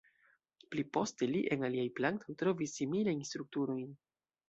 Pli poste li en aliaj plantoj trovis similajn strukturojn.